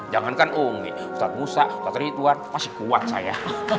jangankan umi ustadz musa ustadz ridwan masih kuat saya